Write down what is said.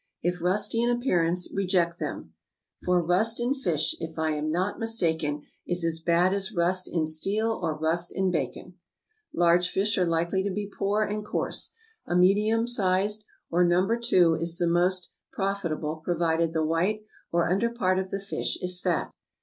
If rusty in appearance reject them, "for rust in fish, if I am not mistaken, is as bad as rust in steel or rust in bacon." Large fish are likely to be poor and coarse; a medium sized or No. 2 is the most profitable provided the white or under part of the fish is fat.